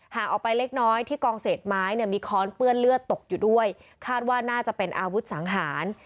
ออกไปเล็กน้อยที่กองเศษไม้เนี่ยมีค้อนเปื้อนเลือดตกอยู่ด้วยคาดว่าน่าจะเป็นอาวุธสังหาร